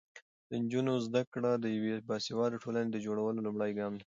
د نجونو زده کړه د یوې باسواده ټولنې د جوړولو لومړی ګام دی.